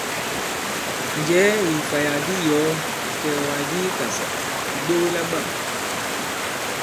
Njɛ̀ɛ ì ìfàyàk di i yɔ̀ɔ ìkɛ̀ɛ̀wàk di i Ikàsà ì ɓewe la bâm!